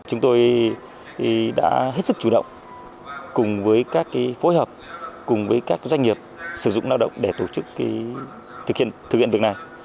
chúng tôi đã hết sức chủ động cùng với các phối hợp cùng với các doanh nghiệp sử dụng lao động để tổ chức thực hiện thực hiện việc này